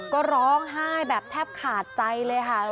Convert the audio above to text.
ก็ร้องไห้แบบแทบขาดใจเลยค่ะ